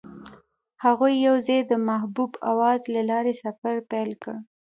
هغوی یوځای د محبوب اواز له لارې سفر پیل کړ.